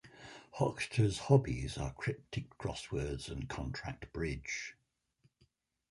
Hochster's hobbies are cryptic crosswords and contract bridge.